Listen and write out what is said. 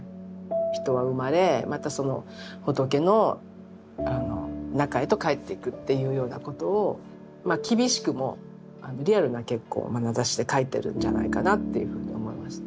人は生まれまたその仏の中へと帰っていくっていうようなことをまあ厳しくもリアルな結構まなざしで描いてるんじゃないかなっていうふうに思います。